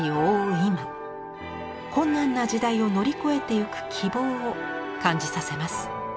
今困難な時代を乗り越えていく希望を感じさせます。